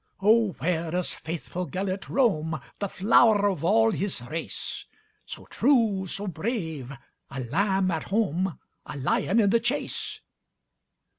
"O, where doth faithful Gêlert roam, The flower of all his race, So true, so brave,—a lamb at home,A lion in the chase?"